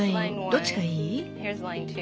どっちがいい？